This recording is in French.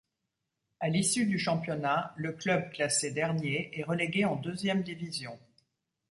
À l'issue du championnat, le club classé dernier est relégué en deuxième division.